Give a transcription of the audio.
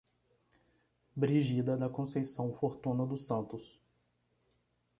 Brigida da Conceição Fortuna dos Santos